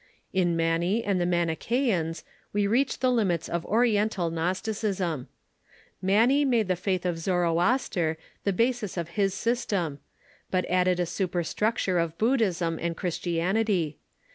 In Mani and the Manichreans we reach the limits of Oriental Gnosti cism. Mani made the faith of Zoroaster the basis of his sys tem, but added a superstructure of Buddhism and Christianity.